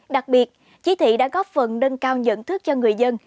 đặc biệt chỉ thị đã góp phần nâng cao nhận thức cho người dân